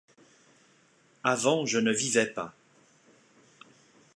Avant je ne vivais pas.